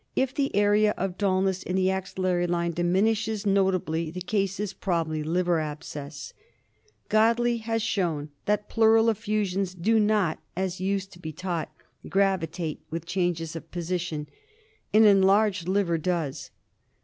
If the area of dulness in the axillary line diminishes notably the case is probably liver abscess. Godlee has shown that pleural effusions do not, as used to be taught, gravitate with changes of position ; an enlarged liver does.